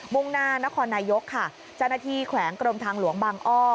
่งหน้านครนายกค่ะเจ้าหน้าที่แขวงกรมทางหลวงบางอ้อ